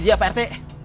siap pak rt